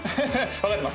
わかってます